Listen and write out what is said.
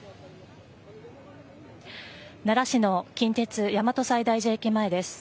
奈良市の近鉄大和西大寺駅前です。